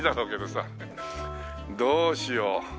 どうしよう。